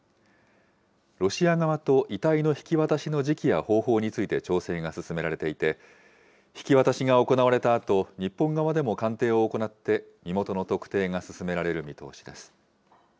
ロシア側と遺体の引き渡しの時期や方法について調整が進められていて、引き渡しが行われたあと、日本側でも鑑定を行って、身元の特定が進められる見通しです。